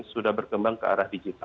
sudah berkembang ke arah digital